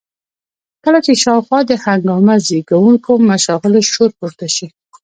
کله چې شاوخوا د هنګامه زېږوونکو مشاغلو شور پورته شي.